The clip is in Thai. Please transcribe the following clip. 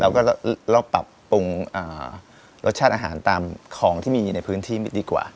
แล้วก็ลอกปรับปรุงรสชาติอาหารตามของที่มีในพื้นที่ดีกว่า